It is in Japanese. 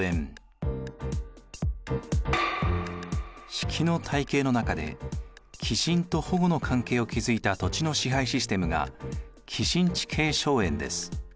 職の体系の中で寄進と保護の関係を築いた土地の支配システムが寄進地系荘園です。